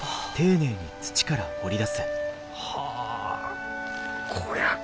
はあこりゃあ